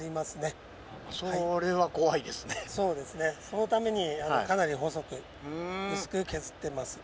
そのためにかなり細く薄く削ってます。